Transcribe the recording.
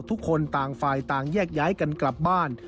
ทุกคนต่างฝ่ายต่างแยกย้ายกันกลับบ้าน